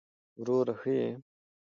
وروره ښه يې!